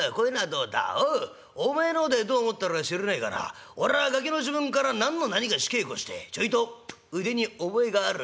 『おうっおめえの方でどう思ってるか知らねえがな俺はガキの時分から何のなにがし稽古してちょいと腕に覚えがある。